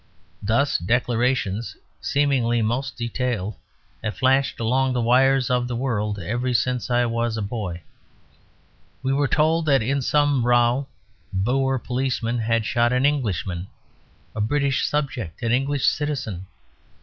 Thus declarations, seemingly most detailed, have flashed along the wires of the world ever since I was a boy. We were told that in some row Boer policemen had shot an Englishman, a British subject, an English citizen.